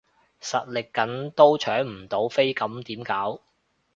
實力緊都搶唔到飛咁點搞？